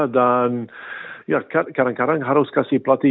dan ya kadang kadang harus kasih pelatih